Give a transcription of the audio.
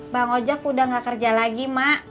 bang ojek udah gak kerja lagi mak